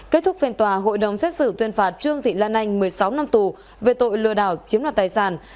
kết thúc phiên tòa hội đồng xét xử tuyên phạt trương thị lan anh một mươi sáu năm tù về tội lừa đảo chiếm đoạt tài sản